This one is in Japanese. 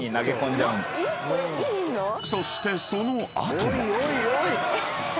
［そしてその後も］